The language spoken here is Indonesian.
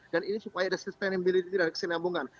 dan ini supaya ada sustainability dan keseimbangan